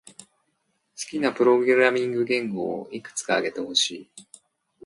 好きなプログラミング言語をいくつか挙げてほしい。